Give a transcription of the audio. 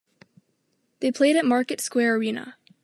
They played at Market Square Arena.